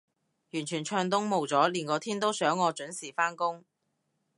完全暢通無阻，連個天都想我準時返工